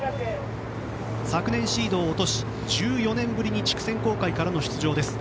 昨年シードを落とし１４年ぶりに地区選考会からの出場です。